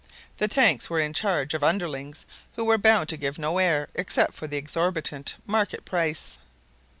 The tanks were in charge of underlings who were bound to give no air except for the exorbitant market price.